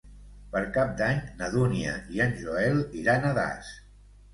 Per Cap d'Any na Dúnia i en Joel iran a Das.